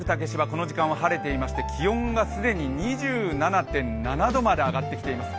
この時間は晴れていまして気温が既に２７．７度まで上がってきています。